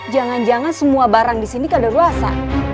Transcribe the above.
jangan jangan semua barang disini kada ruasa